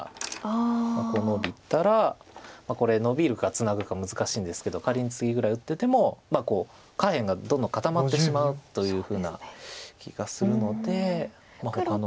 こうノビたらこれノビるかツナぐか難しいんですけど仮にツギぐらい打ってても下辺がどんどん固まってしまうというふうな気がするのでほかの。